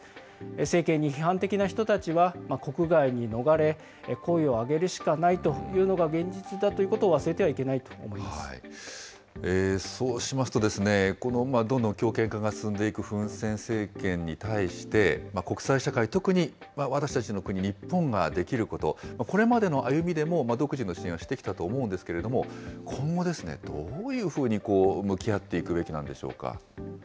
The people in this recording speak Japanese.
政権に批判的な人たちは国外に逃れ、声を上げるしかないというのが現実だということを忘れてはいけなそうしますと、どんどん強権化が進んでいくフン・セン政権に対して、国際社会、特に私たちの国、日本ができること、これまでの歩みでも、独自の支援をしてきたと思うんですけれども、今後ですね、どういうふうに向き合っていくべきなんでしょうか。